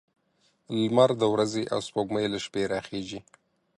لمر د ورځې او سپوږمۍ له شپې راخيژي